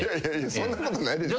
そんなことないでしょ。